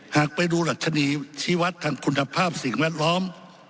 หากไปดูดัชนีชีวัตรทางคุณภาพสิ่งแวดล้อม